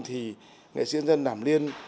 thì nghệ sĩ nhân dân đàm liên